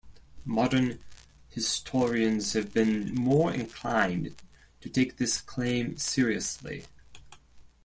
Modern historians have been more inclined to take this claim seriously.